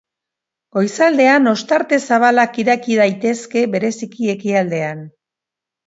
Goizaldean ostarte zabalak ireki daitezke, bereziki ekialdean.